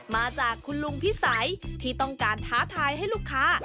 มาจากคุณลุงพิสัยที่ต้องการท้าทายให้ลูกค้า